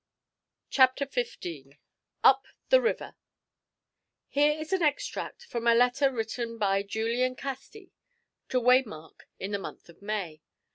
CHAPTER XV UP THE RIVER Here is an extract from a letter written by Julian Casti to Waymark in the month of May.